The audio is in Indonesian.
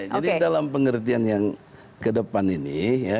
jadi dalam pengertian yang ke depan ini